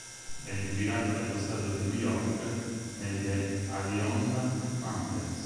Venne girato nello stato di New York, nelle Adirondack Mountains.